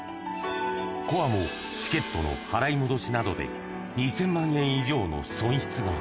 鼓和も、チケットの払い戻しなどで２０００万円以上の損失が。